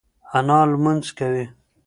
انا لمونځ کوي.